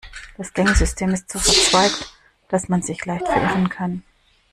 Das Gängesystem ist so verzweigt, dass man sich leicht verirren kann.